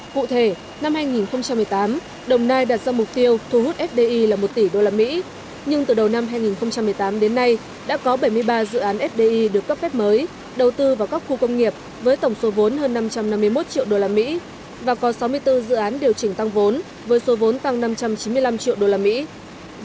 cụ thể năm hai nghìn một mươi tám đồng nai đặt ra mục tiêu thu hút fdi là một tỷ usd nhưng từ đầu năm hai nghìn một mươi tám đến nay đã có bảy mươi ba dự án fdi được cấp phép mới đầu tư vào các khu công nghiệp với tổng số vốn hơn năm trăm năm mươi một triệu usd và có sáu mươi bốn dự án điều chỉnh tăng vốn với số vốn tăng năm trăm chín mươi năm triệu đô la mỹ